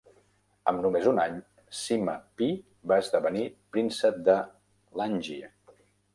Amb només un any, Sima Pi va esdevenir príncep de Langye.